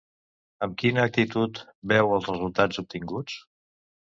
Amb quina actitud veu els resultats obtinguts?